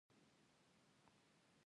د شمسي لمبې قوي مقناطیسي چاودنې دي.